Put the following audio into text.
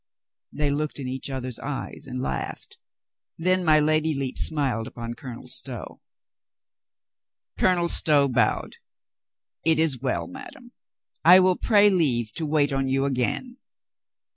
They looked in each other's eyes and laughed. Then my Lady Lepe smiled upon Colonel Stow. Colonel Stow bowed. "It is well, madame. I will pray leave to wait on you again."